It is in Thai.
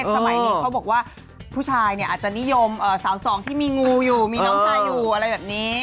สมัยนี้เขาบอกว่าผู้ชายเนี่ยอาจจะนิยมสาวสองที่มีงูอยู่มีน้องชายอยู่อะไรแบบนี้